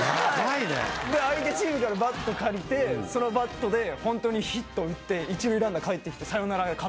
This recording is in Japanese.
相手チームからバット借りてそのバットで本当にヒット打って一塁ランナーかえってきて。